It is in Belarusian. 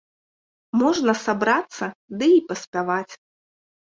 Можна сабрацца ды і паспяваць.